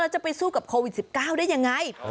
จะไปสู้กับโควิด๑๙ได้ยังไง